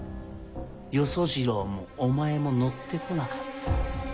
与惣次郎もお前も乗ってこなかった。